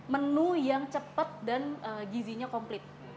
menu yang cepat dan gizinya komplit